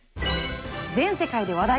全世界で話題。